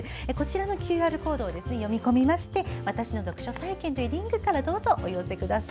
ＱＲコードを読み込みまして「わたしの読書体験」というリンクからお寄せください。